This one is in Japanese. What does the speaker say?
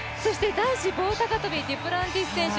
男子棒高跳、デュプランティス選手